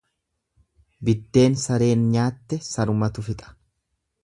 Biddeen sareen nyaatte sarumatu fixa.